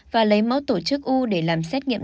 và lấy mẫu tổ chức u để làm xét nghiệm